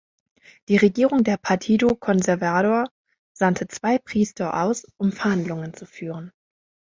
Die Regierung der "Partido Conservador" sandte zwei Priester aus um Verhandlungen zu führen.